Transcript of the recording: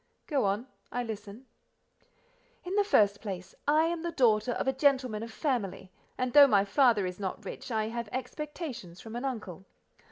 "Go on; I listen." "In the first place: I am the daughter of a gentleman of family, and though my father is not rich, I have expectations from an uncle.